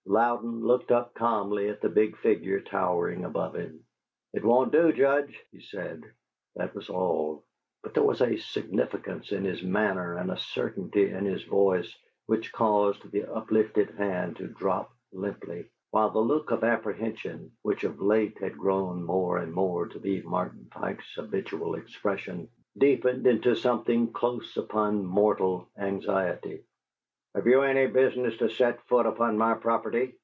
Louden looked up calmly at the big figure towering above him. "It won't do, Judge," he said; that was all, but there was a significance in his manner and a certainty in his voice which caused the uplifted hand to drop limply; while the look of apprehension which of late had grown more and more to be Martin Pike's habitual expression deepened into something close upon mortal anxiety. "Have you any business to set foot upon my property?"